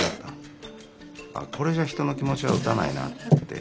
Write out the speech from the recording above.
これじゃ人の気持ちは打たないなって。